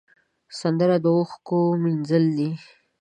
سندره د اوښکو مینځل دي